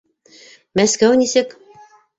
Мәскәү нисек?